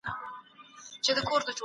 اسلام د سولې پیغام ورکوي.